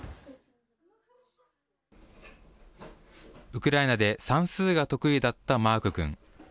ウクライナで算数が得意だったマーク君。